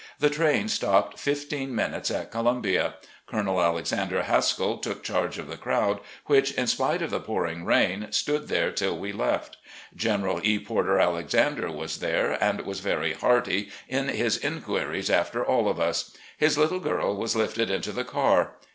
The train stopped fifteen minutes at Columbia. Colonel Alexander Haskell took charge of the crowd, which, in spite of the pouring rain, stood there till we left. General E. Porter Alexander was there, and was very hearty in his inquiries after all of us. His little girl was lifted into the car.